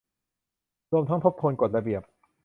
รวมทั้งทบทวนกฎระเบียบ